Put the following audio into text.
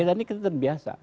tadi kita terbiasa